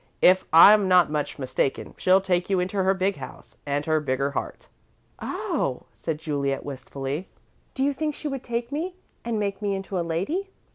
If I'm not much mistaken, she'll take you into her big house and her bigger heart." "Oh," said Juliet, wistfully, "do you think she would take me and make me into a lady?"